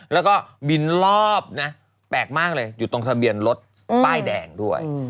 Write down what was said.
แล้วก็บินรอบนะแปลกมากเลยอยู่ตรงทะเบียนรถป้ายแดงด้วย